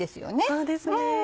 そうですね。